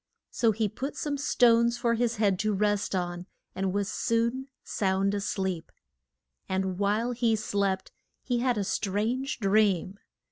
So he put some stones for his head to rest on, and was soon sound a sleep. And while he slept he had a strange dream.